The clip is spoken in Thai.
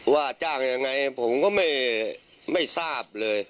ว่าจ้างยังไงผมก็ไม่ทราบเลย